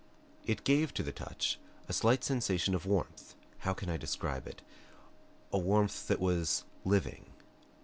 It gave to the touch a slight sensation of warmth how can I describe it? a warmth that was living.